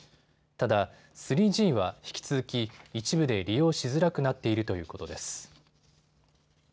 ただ３Ｇは引き続き一部で利用しづらくなっているということです。